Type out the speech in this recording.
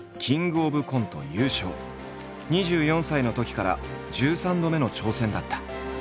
２４歳のときから１３度目の挑戦だった。